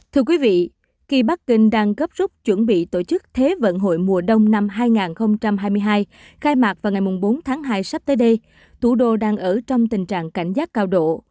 thưa quý vị khi bắc kinh đang gấp rút chuẩn bị tổ chức thế vận hội mùa đông năm hai nghìn hai mươi hai khai mạc vào ngày bốn tháng hai sắp tới đây thủ đô đang ở trong tình trạng cảnh giác cao độ